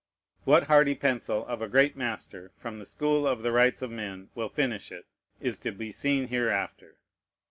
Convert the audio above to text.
What hardy pencil of a great master, from the school of the rights of men, will finish it, is to be seen hereafter.